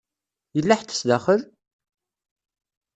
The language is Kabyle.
Yella ḥedd sdaxel?